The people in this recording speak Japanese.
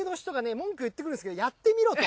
文句言ってくるんですけどやってみろと。